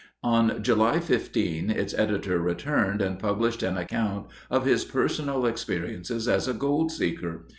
On July 15 its editor returned and published an account of his personal experiences as a gold seeker.